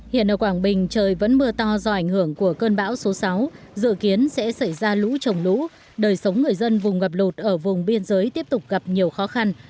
hiện ở quảng bình trời vẫn mưa to do ảnh hưởng của cơn bão số sáu dự kiến sẽ xảy ra lũ trồng lũ đời sống người dân vùng ngập lột ở vùng biên giới tiếp tục gặp nhiều khó khăn